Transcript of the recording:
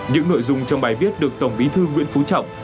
những nội dung trong bài viết được tổng bí thư nguyễn phú trọng